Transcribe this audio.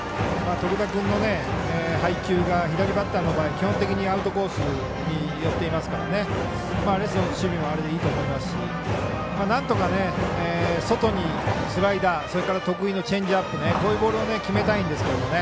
徳田君の配球が左バッターの場合基本的にアウトコースに寄ってますからレフトの守備もあれでいいと思いますしなんとか、外にスライダーそれから得意のチェンジアップこういうボールを決めたいんですけど。